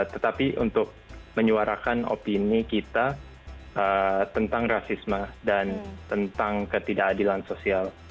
tetapi untuk menyuarakan opini kita tentang rasisme dan tentang ketidakadilan sosial